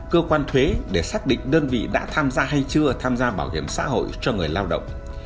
cơ quan thuế để xác định đơn vị đã tham gia hay chưa tham gia bảo hiểm xã hội cho người lao động